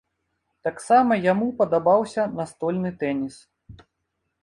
Таксама яму падабаўся настольны тэніс.